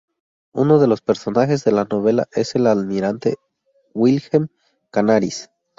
Uno de los personajes de la novela es el almirante Wilhelm Canaris.